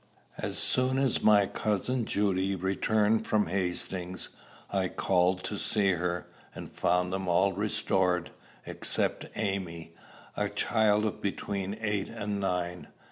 As soon as my cousin Judy returned from Hastings, I called to see her, and found them all restored, except Amy, a child of between eight and nine.